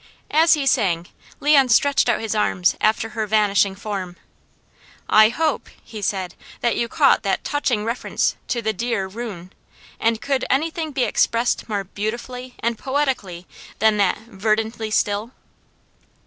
As he sang Leon stretched out his arms after her vanishing form. "I hope," he said, "that you caught that touching reference to 'the dear ruin,' and could anything be expressed more beautifully and poetically than that 'verdantly still?'"